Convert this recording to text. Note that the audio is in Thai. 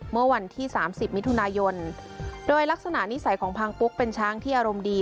เมื่อวันที่๓๐มิถุนายนโดยลักษณะนิสัยของพังปุ๊กเป็นช้างที่อารมณ์ดี